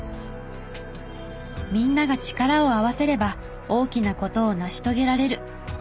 みんなが力を合わせれば大きな事を成し遂げられる。